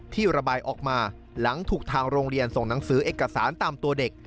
ที่ระบายออกมาหลังถูกทางโรงเรียนส่งหนังสือเอกสารตามตัวเด็ก